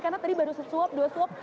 karena tadi baru sesuap dua suap